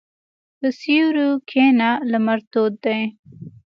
په سیوري کښېنه، لمر تود دی.